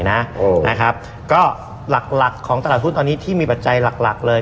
หน้ากลักของตลาดหุ้นตอนนี้ที่มีปัจจัยหลักเลย